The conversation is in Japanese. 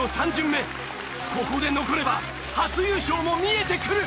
ここで残れば初優勝も見えてくる！